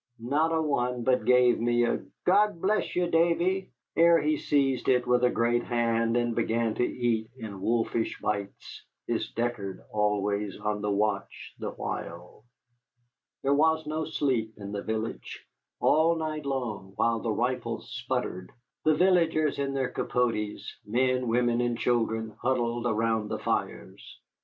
Not a one but gave me a "God bless you, Davy," ere he seized it with a great hand and began to eat in wolfish bites, his Deckard always on the watch the while. There was no sleep in the village. All night long, while the rifles sputtered, the villagers in their capotes men, women, and children huddled around the fires.